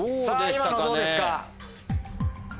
今のどうですか？